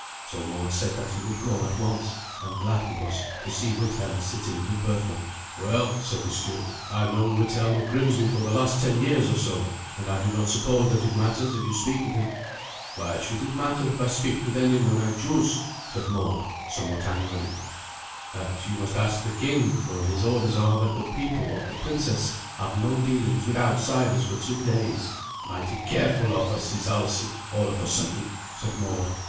So Mord said that he would go at once; and glad he was to see Withelm sitting with Berthun, "Well," said the steward, "I have known Withelm of Grimsby for the last ten years or so, and I do not suppose that it matters if you speak with him." "Why should it matter if I speak with any one I choose?" asked Mord, somewhat angrily. "That you must ask the king; for his orders are that the people of the princess have no dealings with outsiders for two days." "Mighty careful of us is Alsi all of a sudden," said Mord.